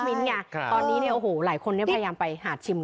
อ๋อมีช็อกมิ้นต์ไงตอนนี้เนี่ยโอ้โหหลายคนเนี่ยพยายามไปหาชิมกัน